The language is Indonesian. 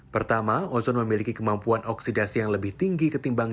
pertama ozon memiliki kemampuan oksidasi yang lebih tinggi ketimbang